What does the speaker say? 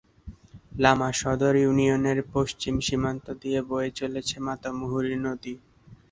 লামা সদর ইউনিয়নের পশ্চিম সীমান্ত দিয়ে বয়ে চলেছে মাতামুহুরী নদী।